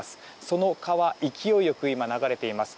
その川、勢いよく流れています。